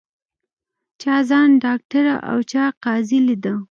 چا ځان ډاکټره او چا قاضي لیده